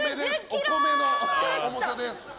お米の重さです。